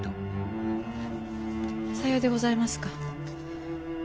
さようでございますか。